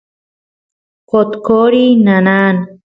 qotqoriy nanan